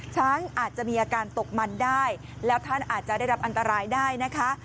ช้างอาจจะมีอาการตกมันได้แล้วท่านอาจจะได้รับอันตรายได้นะคะ